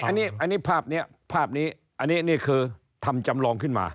อันนี้ภาพนี้ภาพนี้อันนี้นี่คือทำจำลองขึ้นมา